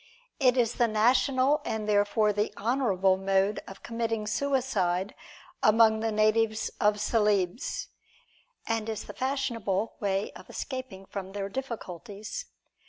It is the national and therefore the honorable mode of committing suicide among the natives of Celebes, and is the fashionable way of escaping from their difficulties.